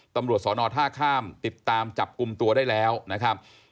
ตำรวจสอนอท่าข้ามติดตามจับกลุ่มตัวได้แล้วนะครับ